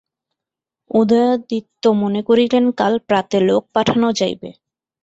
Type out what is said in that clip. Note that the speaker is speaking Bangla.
উদয়াদিত্য মনে করিলেন কাল প্রাতে লোক পাঠানো যাইবে।